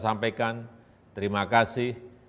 untuk tetap disiplin dalam menjalankan protokol kesehatan